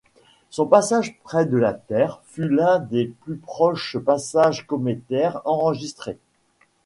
Son passage près de la Terre fut l'un des plus proches passages cométaires enregistrés.